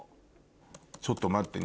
ちょっと待ってね